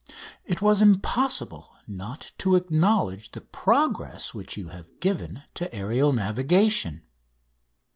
It was impossible not to acknowledge the progress which you have given to aerial navigation.